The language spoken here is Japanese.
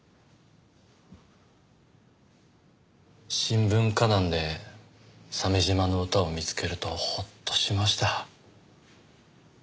新聞歌壇で鮫島の歌を見つけるとほっとしました。